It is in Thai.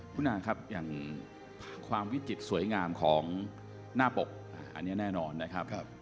คุณอาครับอย่างความวิจิตรสวยงามของหน้าปกอันนี้แน่นอนนะครับ